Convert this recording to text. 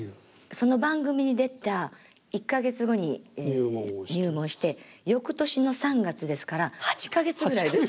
その番組に出た１か月後に入門してよくとしの３月ですから８か月ぐらいです。